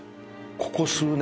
ここ数年。